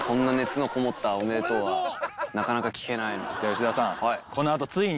吉沢さん。